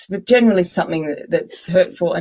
tapi secara umum sesuatu yang menyakitkan